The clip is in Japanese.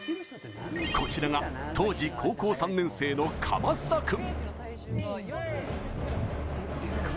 こちらが当時、高校３年生の叺田君。